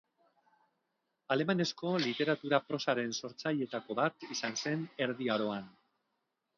Alemanezko literatura-prosaren sortzaileetako bat izan zen, Erdi Aroan.